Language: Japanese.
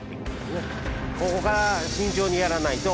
ここから慎重にやらないと。